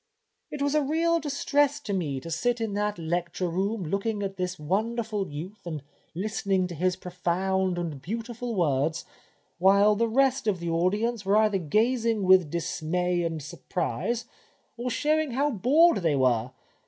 It was a real distress to me to sit in that lecture room 252 The Life of Oscar Wilde looking at this wonderful youth and listening to his profound and beautiful words, while the rest of the audience were either gazing with dismay and surprise, or showing how bored they were.